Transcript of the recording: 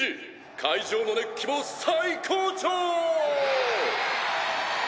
会場の熱気も最高潮！